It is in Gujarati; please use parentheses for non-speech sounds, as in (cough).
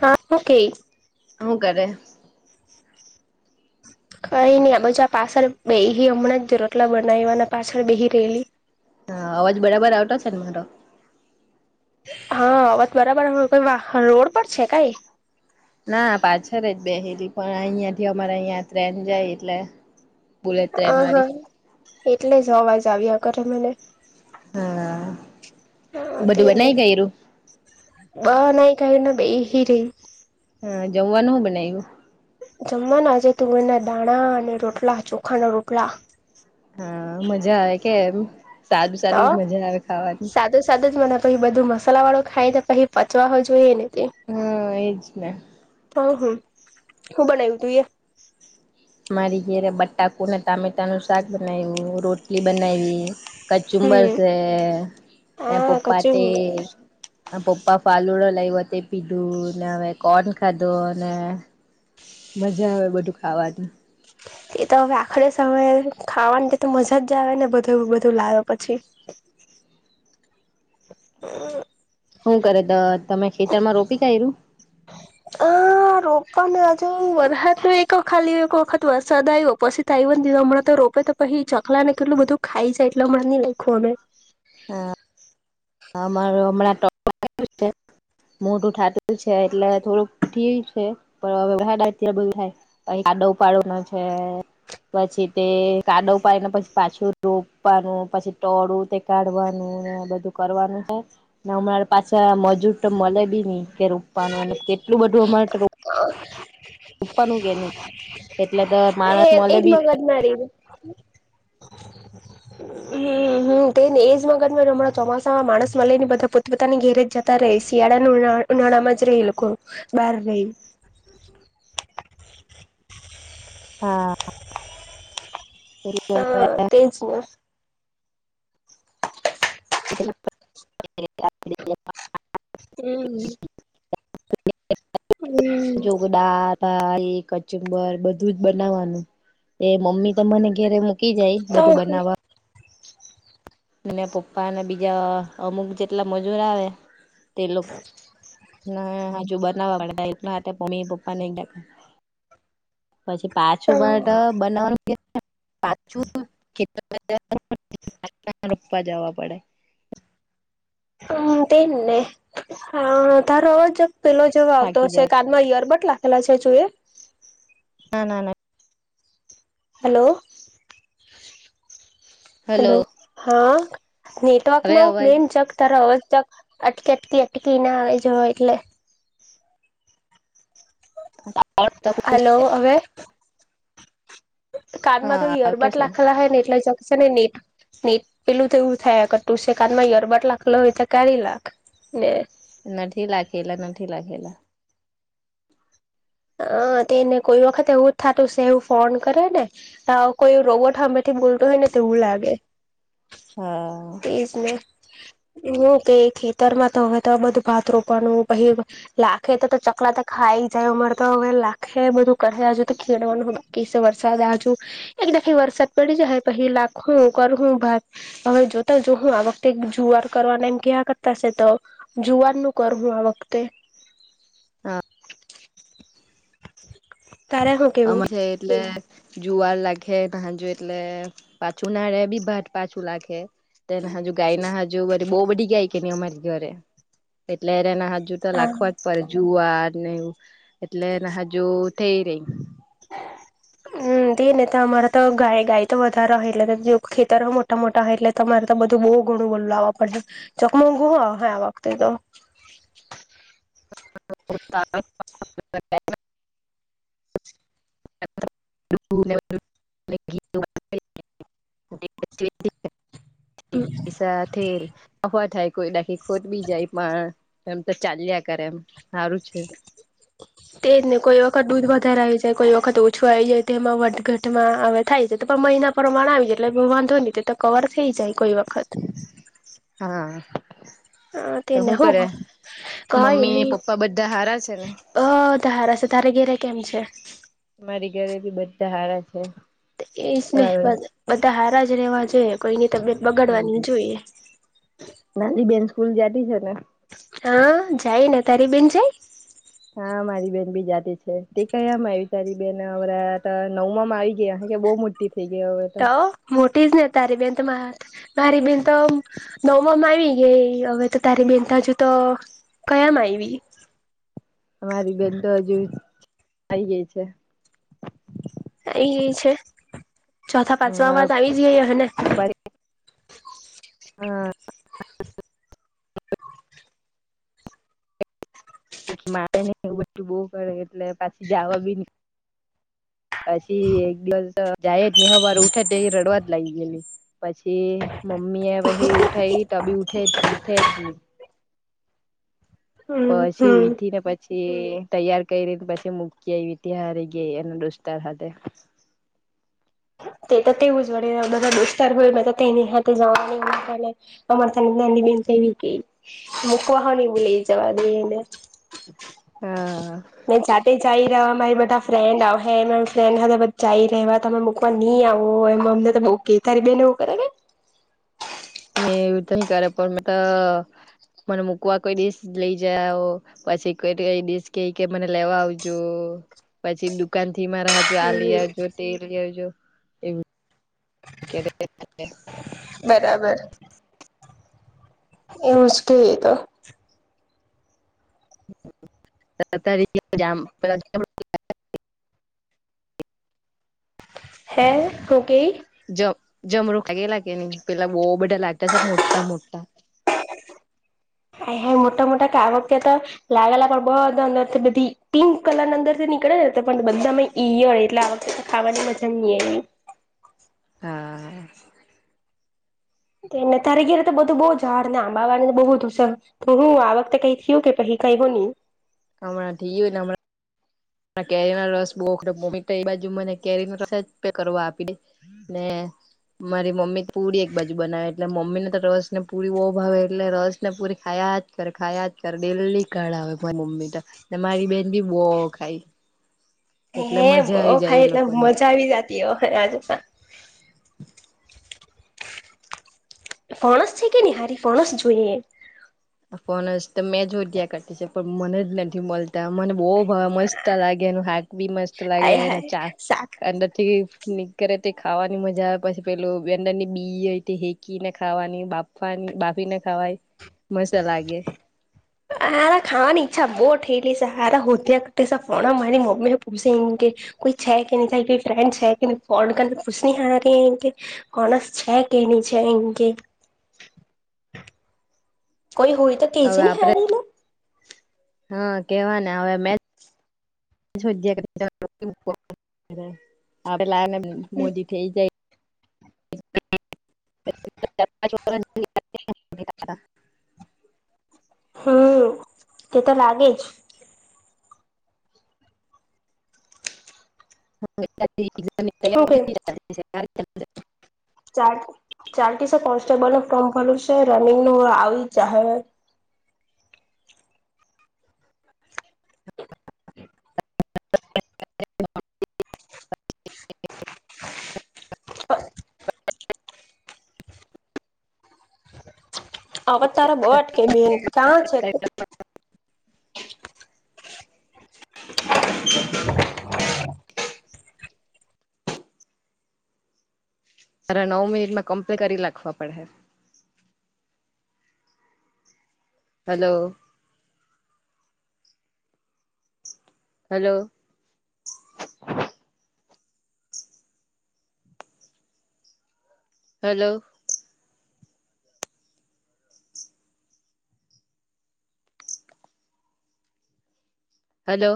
હા ઓકે હું કર્ હે હ કઈ ન આ બધા પાછળ બેહી હમણાં જ રટલા બનાવવાના પાછળ બેહી રહેલી હા અવાજ બરાબર આવતો છે ને મારો-' હા વાત બરાબરઈહા રોડ પર રોડ પર છે કઈ. ના પાછળ જ બેસેલી પણ અહિયાયા થી અમારે અહં ટ્રેન જાય એટલે બુલેટ ટ્રેન આ વાળી હા એટલે જ અવાજ આવ્યા ઘરે મને હા હા બધું તેને બનાઈ ગઈું ક ના બે હ રી હા જમવાનું હું બનાવી યે જમવાના આજે તુવેરના દાણા અને રોટલા ચોખાના રોટલા હા મજા આવે કેમ સાદું તો સાદું બી મજા આવે ખાવાની સાદું સાદું જ મને પછી બધું મસાલા વાળો ખાય તો પછી પચવા હોવ જોઈએ ને હા એજ ને હ--મ હુ શું બનાવ્યું તું એ મારી ઘેરે બટાકુ ને ટામેટા ન શાક બનાવ્યું રોટલી બનાવી. કચુંબર હમ છે હા પોપાટી કચુંબર આ પપ્પા ફાલુડો લાવયા હો તે પીધું ને હવે કોન ખાધો ને મજા આવે બધું ખાવાની હ એ તો હવે આખરે સમય ખાવાની તો મજા જ જ આવે ને બધું બધું લાવે પછી હુ શું કરે તો તમે ખેતર માં રોપી જાય્યું અઆ ના રોપને હજ વરસાદ એક ખાલી એક વખત વરસાદ આવ્યો પછી થાય હમણાં તો ઓપે તો પછી ચકલા ને કેટલું બધું ખાઈ જાય એટલેને નહી લખું અમે હા અમાર હમણાં ટું છે મોટું થાટું છે એટલે થોડુંક ઠ છે પણ હવે બધું થાય આડો ઉપાડો નો છે. પછી તે કાડવ પાડીને પછી પાછું રોપવાનું પછી ટોળું તે કાઢવાનું બધા બધું કરવાનું હે ને અમારે પાછા મજૂર તો મળે બી નહી કે રોપવાનું અને કેટલું બધુંમા એટલે તો એ માણસ મળે એજ બી મગજ મારીને હમ હમ હુ તેને એ જ મગર હમણાં ચોમાસામાં માણસ મલે નહિ બધા પોતપોતાની ઘેરે જતા રહ્યે શિયાળાનું ના ઉનાળામાં જ રહેએ લોકો બહાર રહી (unintelligible) હા હા તેજને (unintelligible) હમ અ હમ હા એ કચુંબર બધું જ બનાવવાનું એ મમ્મી તો મને ઘેરે મૂકી જાય તો બધું બનાવવા અને પપ્પા અને બીજા અમુક જેટલા મજૂર આવે તે લોકો ના જો બનાવવા પડ એક ના મમ્મી પપ્પા નહી નાખે પછી પાછું પણટ બનાવાનું પાચું રૂપમા જવા પડે હમ તેન્ને હ તારો અવાજ પેલો જેવો આવતો થાકી હશે જવા કાનમાં ઈયરબદલાવ લખેલા છે તે જોઈએ ના ના ના હલો હલો હેલો હા હવે નેટવર્કમાં અવાજ મેન જગ તારો અવાજ ચક અટકી અટકી અટકી ના આવે જો એટલે હલો હવે હા કાનમાં તો આવતો છે યરબધલા લખેલા હોય ને એટલે ચોકસે ને નેટ ને પેલું તો એવું થાય આ ક ટું છે કાન માં યરબદ લાખ લય ત કળ લાખ ને નથી લખેલા નથી લખેલા હ તેને કોઈ વખત એવું જ થતું સવું ફોન કરે ને કોઈ રોગોટ હંમે બોલતો હોય ને તેવું લાગે હા આઆ (unintelligible) એવું કે ખેતર માં તો હવે તો બધું ભાત રોપવાનું પછ લાખે તો તો ચકલા તો ખાય. એ જાય અર. તો હવે લાખે બધું કરે આજુ તો ખેડવાનું બાકી છે વરસાદ આજુ એકદાખી વરસાદ પડી. પછી લખું કર હું ભત હવે જોતા જોું આ વખતે જુવાર કરવાના એમ ક કર. થશે તો જુવારનુંું કરવું આ વખતે. હા તારે શું અ કેવું છે એટલે. જુવાર લખે ભાંજો એટલે પાછું ના રે બી ભાત પાછું લખે. ના હજુ ગાય ના હજુ બહુ બધી ગાય કે ન અમારી ઘરે એટલેના હજુ. હજુ તો હા લાખવા જ પરજુ આ ને એટલેને હજુ થઈ રહી. હમ. ને તો તમારા તો ગાય ગાય તો વધારે હોય એટલે ખેતરરો મોટા મોટા હોય એટલે તમારે તો બધું બહુ. ું બલો આ ચકમંગુ હો હે આ વખતે તો. (unintelligible) (unintelligible) (unintelligible) ઠેલ (unintelligible) હવા થઠાય કોઈ ડખી ખોદ બી જાય માાર એમ તો ચાલ્યા કરે એમ સારું છે. તેજ નહ કોઈ વખત દૂધ વધારે આવી જાય કોઈ વખત. છુંઈ જાય તે એમાં વટઘટમાં આવે થાય જાય તો પણ મહિના પ્રમાણ આવી જાય એટલે વાંધો નહી તે તો કવર થઈ જાય. કોઈ વખત હા હ તો તેને શું હો. કરે કઈ ન મમ્મી પપ્પા બધા હારા છે ને અ તારા છે તારે ઘેરે કેમ છે. મારી ઘરે બી બધા હારા છે. એ જ ને હ બધા હારાજને એવા જે કોઈ. હમ નાની બેન સ્કૂલ જતી છે ને. હા જાયને તારી બેન જાય. હા મારી બેન બી જાતી છે તે કયામાં આવી તારી બેનવરા નવમામ મા આવીગ હે બહ. મુટી તો મોટી જ ને તારી બેન. તારી બેન તો નવામાં આવી ગઈ હવે તો તારી બેન તો હજુ તો. કયામાં આવીવી. અમારી બેલ તો હજુ થઈ ગઈ છે. આવી ગય છે ચોથા પાંચમા વાત આવી જાય હને. હમ. મારે નહ એવ બધું બહ કરે એટલે પાછી જવા બી નહી. પછી એક દિવસ જાાયજ ની હવાર ઉઠે તે રડવા જ લાગી ગયેલી. પછી મમ્મી એ વહી ઉઠાય તો બી ઉઠે જ ઉઠે જ ને. હમ પછી હમ થી ને પછી. તૈયાર કરી ર પછી મૂકી એવી ત હારી ગઈ એના દોસ્તાર સાથે. હ. તે તો તેવું જ વડે બધાસ્તાર હોય તેની સાથે જવાની અમરથ્ઞની બ. એમ કે મકુવા હ બ લ જવા દ એને. હા. મેં જાતે જાય રહવા મારી બધા ફ્રેન્ડ આવરી ફ્રેન્ડ સાથે બધ જઈ રવા તમે મકવા નહી આવે. એમ અમને તો બઉ કે તારી બેન એવું કરે કે. ને એવું નહી કરે પણ મે મને મૂકવા કોઈ ડડીશ લઈ જાવ પછી કોઈઈડીશ કે કે મને લેવા આવજો. પછી દુકાન થી મા રાજો આ લઈ હમ આવજો તે લઈ આવજો એ. બરાબર. એવું જ કે તો. (unintelligible) (inaudible) (inaudible) હે તકે જમ, જમ રાગ લાગે નહી પેલા બહુ બધા લાગતા છે, મોટા, મોટા હા, હા મોટા, મોટા ક વક ત્યા, તો લાગેલા પણ બ અંદરથી બધી પિંક કલરની અંદર નીકળે પણ બધા ઈ હોય, એટલે આ વખતે ખાવાની મજા નહી, આવી હા ને તારી ઘીરે, તો બધું બહુ જઝાડ ને આંબાવાળ ને બહુ હુસન, તો હું આ વખતે કઈ થયુ, કે પછ કઈ, હો કમણા, હોયમણા કેરીનો રસ બોખ મી એ બાજુ, મને કેરી ન રસ જ પે કરવા આપી દે ને મારી મમ્મી પુરી એક બાજુ બનાવે એટલે મમ્મી ને તો રસ ને પૂરી બહુ ભાવે એટલે રસ ને પૂરી ખાય યાજ કર ખાયા જ કર ડેલી ઘળ આવેરી, મમ્મી ત ને મારી બેન ભ બો ખાઈ હે બહ, જાય ખાઈ એ એટલે લોકોને મજા આવી જતી. હો આજ ફોણસ છે, કે નિહારી ફણસ જોઈએ. ફોનસ તો મેં જોગ્યા કરતી છે, પણ મને જ નથી મળતા મને બહ વાહ મસ્ત લાગે, એનું હાટ બી મસ્ત લાગે આય ને હાય ચાંદ શાક અંદરથી નીકરે તે ખાવાની મજા આવે પછી, પેલું વન્ંદર ની બીય હેકીને, ખાવાની બાફાની ભાફીને ખાવા હોય, મસ્ત લાગે. સારા ખાવાની ઈચ્છા બહુ ઠેલી, સે સારા હો ફોન કરી મારી મમ્મીને પૂછસે કોઈ છે, કે નય તારી કોઈ ફ્રેન્ડ છે, કે નહી ફોન કરને પૂછની હાહરી એને કઈ ઓનર્સ છે. કેની છે, એમ કે કોઈ હોય, તો કે હવે જેને આપડે હાહરીનુ હા, કેવા ને હવે મેલ (unintelligible) આ લાય ને ભાઈ મોડી થઈ જાય. (inaudible) હમમ, તે તો લાગે જ હું (unintelligible) ચાર, ચાર ટીસે કોન્સ્ટેબલ ન ફોર્મ ભર્યું છે, રનિંગનુ હવે આવી જાહે (unintelligible) (inaudible) (unintelligible) (unintelligible) આવા તારા બટ કે બેન કાં છે, તું (inaudible) (inaudible) તારે, નવ મિનિટમા કમ્પ્લે કરી નાખવા પડેે હે હલો હલ્લો. હલો. હેલો.